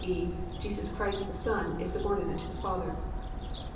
Jesus Christ the Son is subordinate to the Father.